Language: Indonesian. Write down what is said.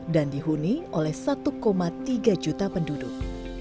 dan dihuni oleh satu tiga juta orang